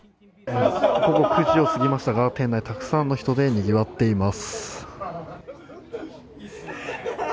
午後９時を過ぎましたが店内、たくさんの人で、にぎわっています。